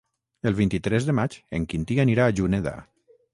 El vint-i-tres de maig en Quintí anirà a Juneda.